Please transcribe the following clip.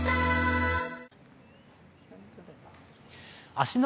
芦ノ